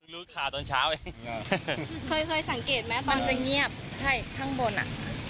รู้ข่าวตอนเช้าเองเคยเคยสังเกตไหมตอนจะเงียบใช่ข้างบนอ่ะ